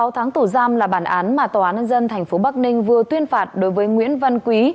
ba mươi sáu tháng tổ giam là bản án mà tòa án dân thành phố bắc ninh vừa tuyên phạt đối với nguyễn văn quý